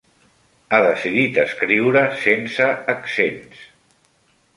Ha decidit escriure sense accents.